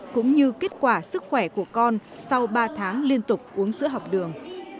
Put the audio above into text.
cũng như kết quả sức khỏe của con sau ba tháng liên tục uống sữa học đường